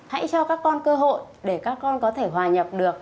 hãy cho các con cơ hội để các con có thể hòa nhập được